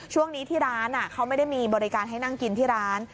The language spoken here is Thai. ช่วงนี้ที่ร้านเขาไม่ได้มีบริการให้นั่งกินที่ร้าน